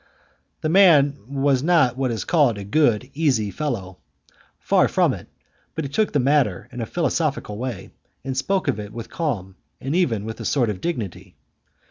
The man was not what is called a good, easy fellow, far from it; but he took the matter in a philosophical way, and spoke of it with calm, and even with a sort of dignity.